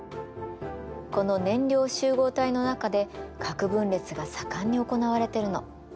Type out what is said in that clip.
この燃料集合体の中で核分裂が盛んに行われてるの。